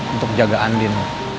untuk jaga andin